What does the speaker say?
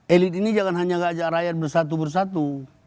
elit ini jangan hanya ngajak rakyat bersatu bersatu